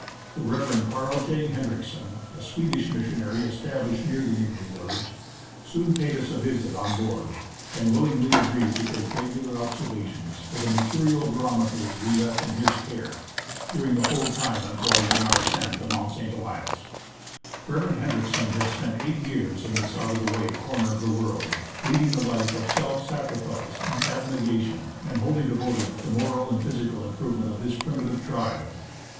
The Rev. Carl J. Hendriksen, a Swedish missionary established near the Indian village, soon paid us a visit on board, and willingly agreed to take regular observations with a mercurial barometer we left in his care, during the whole time employed in our ascent of Mount St. Elias, Rev. Hendriksen had spent eight years in this out of the way corner of the world, leading a life of self sacrifice and abnegation, and wholly devoted to the moral and physical improvement of this primitive tribe.